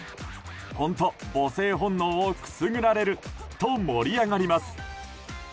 本当、母性本能をくすぐられると盛り上がります。